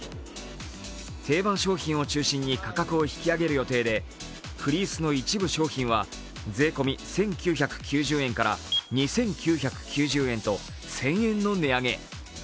定番商品を中心に価格を引き上げる予定でフリースの一部商品は税込み１９９０円から２９９０円と１０００円の値上げ。